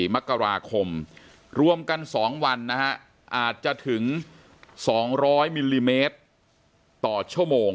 มกราคมรวมกัน๒วันนะฮะอาจจะถึง๒๐๐มิลลิเมตรต่อชั่วโมง